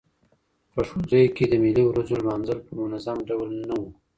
په ښوونځیو کي د ملي ورځو لمانځل په منظم ډول نه وو.